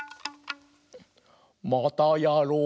またやろう！